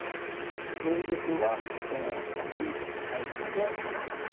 同玉は８七飛車成合駒で７七桂。